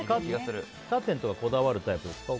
カーテンとかこだわるタイプですか？